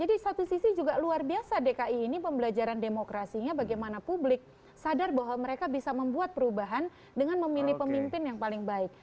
jadi satu sisi juga luar biasa dki ini pembelajaran demokrasinya bagaimana publik sadar bahwa mereka bisa membuat perubahan dengan memilih pemimpin yang paling baik